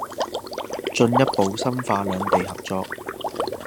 進一步深化兩地合作